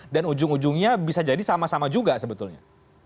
dan ujung ujungnya bisa jadi sama sama juga sebetulnya